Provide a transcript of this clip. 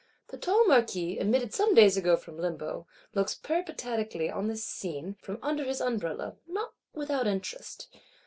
The tall Marquis, emitted some days ago from limbo, looks peripatetically on this scene, from under his umbrella, not without interest.